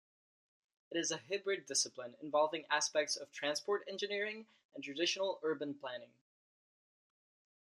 It is a hybrid discipline involving aspects of transport engineering and traditional urban planning.